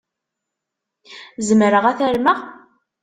Zemreɣ ad t-armeɣ?